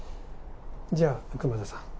じゃあ熊沢さん。